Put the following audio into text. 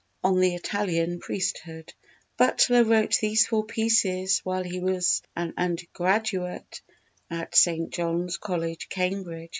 On the Italian Priesthood Butler wrote these four pieces while he was an undergraduate at St. John's College, Cambridge.